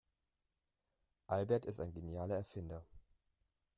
Albert ist ein genialer Erfinder.